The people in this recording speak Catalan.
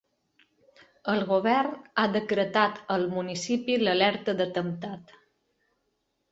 El govern ha decretat al municipi l’alerta d’atemptat.